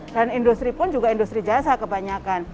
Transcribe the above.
industri pun juga industri jasa kebanyakan